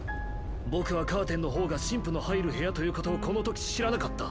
ぼくはカーテンの方が神父の入る部屋ということをこの時知らなかった。